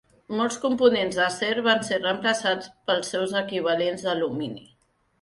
Molts components d'acer van ser reemplaçats pels seus equivalents d'alumini.